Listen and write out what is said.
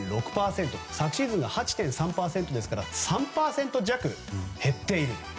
昨シーズンが８．３％ですから３％弱、減っている。